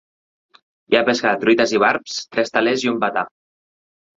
Hi ha pesca de truites i barbs, tres telers i un batà.